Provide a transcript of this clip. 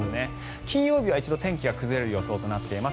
金曜日は一度天気が崩れる予想となっています。